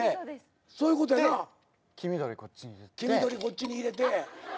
黄緑こっちに入れて。